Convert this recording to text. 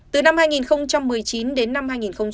từ năm hai nghìn một mươi chín đến năm hai nghìn hai mươi